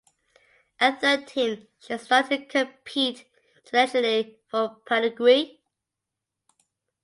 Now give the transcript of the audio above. At thirteen she started to compete internationally for Paraguay.